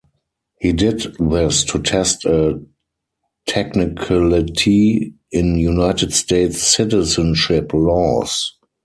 He did this to test a technicality in United States citizenship laws.